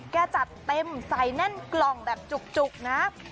จัดเต็มใส่แน่นกล่องแบบจุกนะ